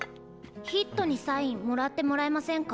ＨＩＴにサインもらってもらえませんか？